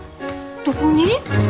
どこに？